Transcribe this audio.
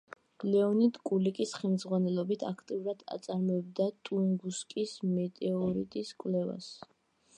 ლეონიდ კულიკის ხელმძღვანელობით აქტიურად აწარმოებდა ტუნგუსკის მეტეორიტის კვლევას.